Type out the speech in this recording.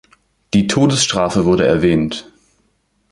Die Todesstrafe wurde erwähnt.